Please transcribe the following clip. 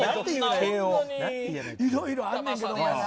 いろいろあんねんけど。